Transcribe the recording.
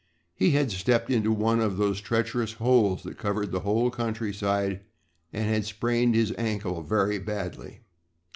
He had stepped into one of those treacherous holes that covered the whole countryside and had sprained his ankle very badly.